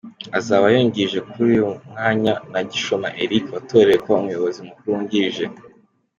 Azaba yungirijwe kuri uyu mwanya na Gishoma Eric watorewe kuba Umuyobozi mukuru wungirije.